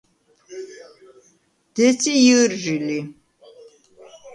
დეცი ჲჷრჟი ლი.